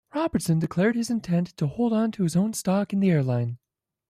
Robertson declared his intent to hold onto his own stock in the airline.